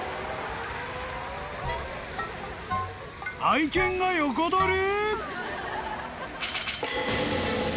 ［愛犬が横取り！？］